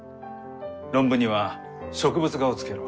論文には植物画をつけろ。